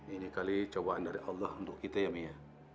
ini kali cobaan dari allah untuk kita ya bu ya